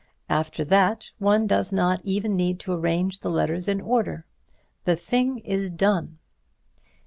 After that, one does not even need to arrange the letters in order. The thing is done.